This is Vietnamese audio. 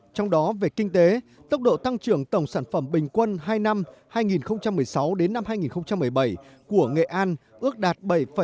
trong đó về kinh tế tốc độ tăng trưởng tổng sản phẩm bình quân hai năm hai nghìn một mươi sáu hai nghìn một mươi bảy của nghệ an ước đạt bảy sáu mươi bảy